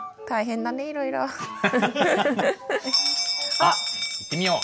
あっ行ってみよう。